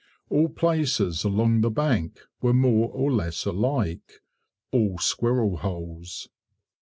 All places along the bank were more or less alike, all squirrel holes.